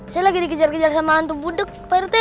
saya lagi dikejar kejar sama hantu budeg pak rt